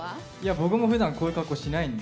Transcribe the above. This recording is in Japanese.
僕もふだんこういう格好しないんで。